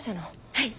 はい。